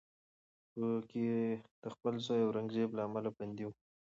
په کې د خپل زوی اورنګزیب له امله بندي و